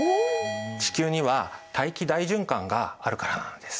地球には大気大循環があるからなのです。